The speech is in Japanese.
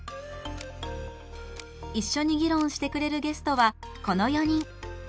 一緒に議論してくれるゲストはこの４人。